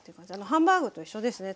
ハンバーグと一緒ですね